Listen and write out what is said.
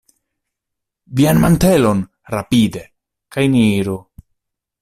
Vian mantelon, rapide, kaj ni iru!